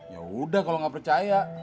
ya udah kalau nggak percaya